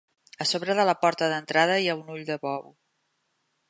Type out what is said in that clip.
A sobre de la porta d'entrada hi ha un ull de bou.